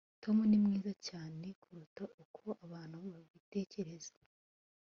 tom ni mwiza cyane kuruta uko abantu babitekereza